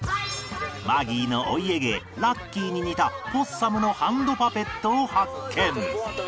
マギーのお家芸ラッキーに似たポッサムのハンドパペットを発見！